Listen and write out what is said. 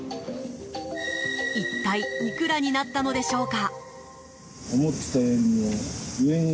一体いくらになったのでしょうか？